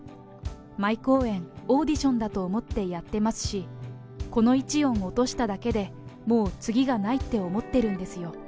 毎公演、オーディションだと思ってやってますし、この一音落としただけでもう次がないって思ってるんですよ。